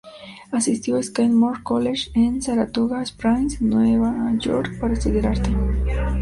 Asistió a Skidmore College en Saratoga Springs, Nueva York para estudiar arte.